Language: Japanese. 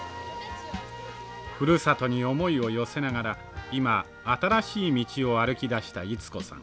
ふるさとに思いを寄せながら今新しい道を歩きだした溢子さん。